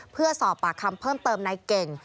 เพื่อสอบปากคำเพิ่มเติมในเก่ง